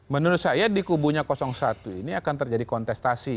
menurut saya di kubunya satu ini akan terjadi kontestasi